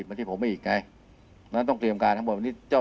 สุดท้ายจะกลับมาตรวจสม่อ